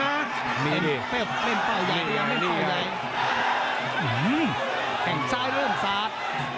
อืมแข่งซ้ายเริ่มสาด